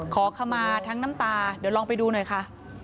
ขอขมาทั้งน้ำตาเดี๋ยวลองไปดูหน่อยค่ะ